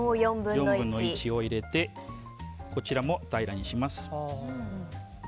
４分の１を入れてこちらも平らにします。